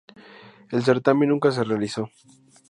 El certamen nunca se realizó.